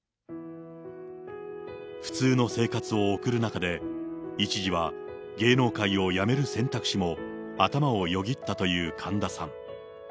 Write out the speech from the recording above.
普通の生活を送る中で、一時は芸能界を辞める選択肢も頭をよぎったという神田さん。